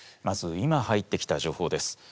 まず今入ってきた情報です。